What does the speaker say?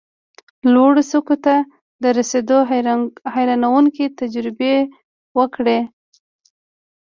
لوړو څوکو ته د رسېدو حیرانوونکې تجربې وکړې،